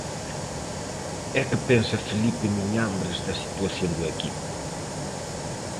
E que pensa Felipe Miñambres da situación do equipo?